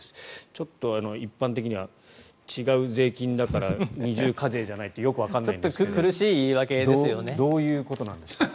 ちょっと一般的には違う税金だから二重課税じゃないとよくわからないですがどういうことなんでしょうか。